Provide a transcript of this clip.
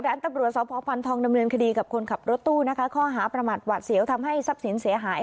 ข้างหน้ามันไม่มีรถจริงแต่ว่าผมเบรกอ่าร